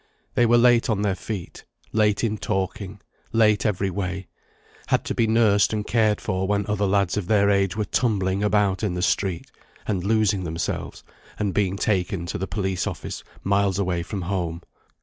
They were late on their feet, late in talking, late every way; had to be nursed and cared for when other lads of their age were tumbling about in the street, and losing themselves, and being taken to the police office miles away from home.